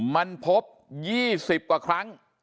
มันพบ๒๐กว่าครั้ง